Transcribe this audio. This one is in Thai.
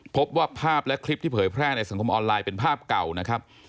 พบว่าภาพและคลิปที่เผยแพร่ในสังคมออนไลน์เป็นภาพเก่านะครับ